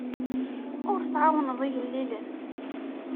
Ur tɛawneḍ igellilen.